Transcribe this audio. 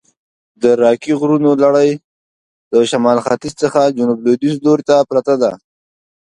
د راکي غرونو لړي د شمال ختیځ څخه د جنوب لویدیځ لورته پرته ده.